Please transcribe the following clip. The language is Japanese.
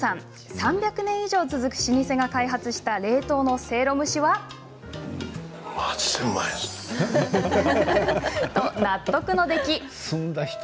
３００年以上続く老舗が開発した冷凍のせいろ蒸しは。と、納得の出来。